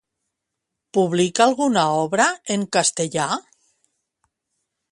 Publica alguna obra en castellà?